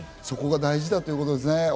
そこが大事だということですね。